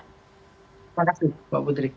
terima kasih mbak putri